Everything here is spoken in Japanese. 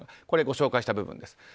これ、ご紹介した部分です。